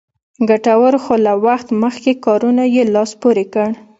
ګټورو خو له وخت مخکې کارونو یې لاس پورې کړ.